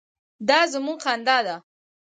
_دا زموږ خندا ده.